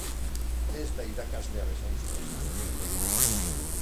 Ez da irakaslea bezain zuzena.